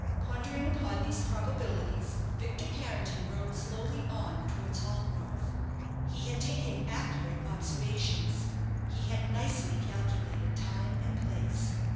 Pondering upon these probabilities, Victor Carrington rode slowly on towards Hallgrove. He had taken accurate observations; he had nicely calculated time and place.